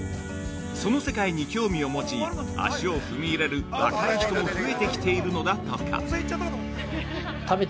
その世界に興味を持ち足を踏み入れる若い人も増えてきているのだとか。